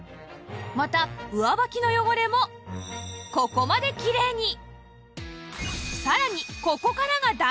また上履きの汚れもここまできれいに！